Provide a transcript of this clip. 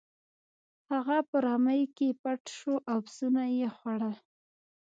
هغه په رمې کې پټ شو او پسونه یې خوړل.